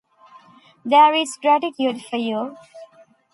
There's gratitude for you!